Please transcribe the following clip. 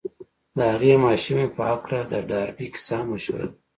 د هغې ماشومې په هکله د ډاربي کيسه هم مشهوره ده.